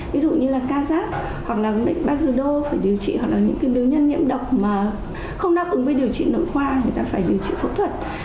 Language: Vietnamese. ví dụ như là ca giáp hoặc là bệnh bazudo phải điều trị hoặc là những bệnh nhân nhiễm độc mà không đáp ứng với điều trị nội khoa người ta phải điều trị phẫu thuật